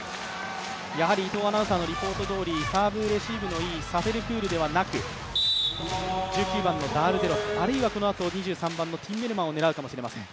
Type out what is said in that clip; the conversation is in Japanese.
伊藤アナウンサーのリポートどおりサーブレシーブのいいサフェルクールではなく１９番のダールデロップ、あるいはこのあとの２３番、ティンメルマンを狙うかもしれません。